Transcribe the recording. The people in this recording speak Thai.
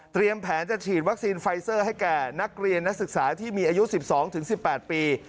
แผนจะฉีดวัคซีนไฟเซอร์ให้แก่นักเรียนนักศึกษาที่มีอายุ๑๒๑๘ปี